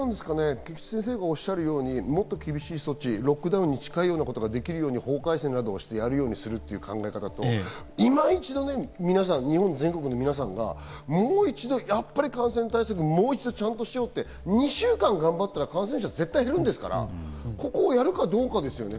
菊地先生がおっしゃるようにもっと厳しい措置、ロックダウンのようなことができるような法改正をしてやるようにすると、今一度、皆さん、全国の皆さんがもう一度、感染対策をもう一度しようって２週間、頑張ったら感染者は絶対に減るんですから、ここをやるかどうかですよね。